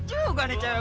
juga nih cewek bang